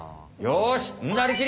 よし！